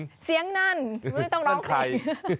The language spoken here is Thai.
นายกันเสียงนั่นไม่ต้องร้องคลิก